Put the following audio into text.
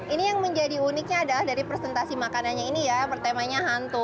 ini yang menjadi uniknya adalah dari presentasi makanannya ini ya temanya hantu